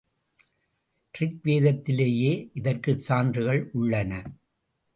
Rig வேதத்திலேயே இதற்குச் சான்றுகள் உள்ளன.